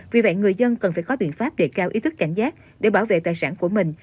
vì vậy người dân cần phải có biện pháp để cao ý thức cảnh giác để bảo vệ tài sản của mình